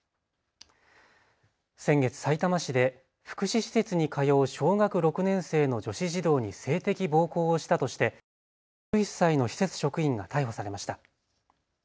先月、さいたま市で福祉施設に通う小学６年生の女子児童に性的暴行をしたとして５１歳の施設職員が逮捕されました。